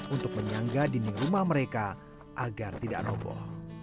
untuk menyangga dinding rumah mereka agar tidak roboh